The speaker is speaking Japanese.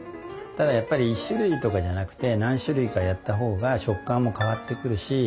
ただやっぱり１種類とかじゃなくて何種類かやった方が食感も変わってくるし